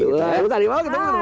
ketemu tadi malam ketemu lagi